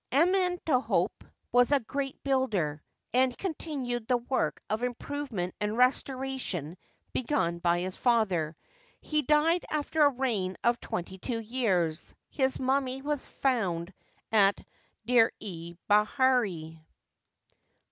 Amenhotep was a great builder, and continued the work of improvement and restoration begun by his father. He died after a reign of twenty two years. His mummy was found at D6r el bahiri.